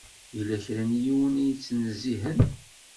Yella kra n yiwen i yettnezzihen.